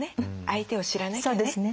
相手を知らなきゃね。